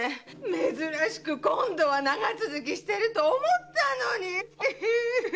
珍しく今度は長続きしてると思ったのに！